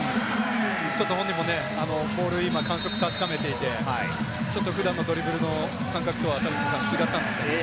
ちょっと本人もボールの感触を確かめていて、普段のドリブルの感覚とは違ったんですかね。